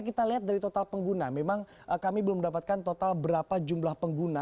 kita lihat dari total pengguna memang kami belum mendapatkan total berapa jumlah pengguna